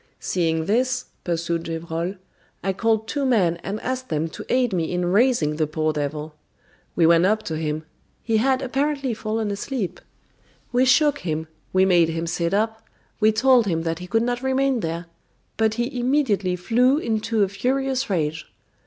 "Seeing this," pursued Gevrol, "I called two men and asked them to aid me in raising the poor devil. We went up to him; he had apparently fallen asleep: we shook him we made him sit up; we told him that he could not remain there, but he immediately flew into a furious rage.